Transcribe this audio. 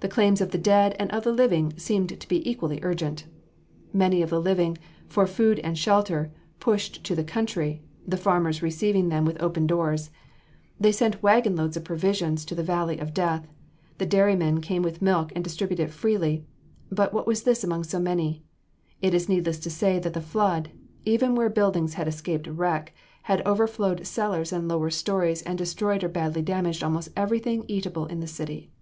The claims of the dead and of the living seemed to be equally urgent. Many of the living, for food and shelter, pushed to the country; the farmers received them with [Illustration: AT THE MORGUE.] open doors. They sent wagon loads of provisions to the valley of death; the dairymen came with milk and distributed it freely; but what was this among so many? It is needless to say that the flood, even where buildings had escaped wreck, had overflowed cellars and lower stories and destroyed or badly damaged almost everything eatable in the city.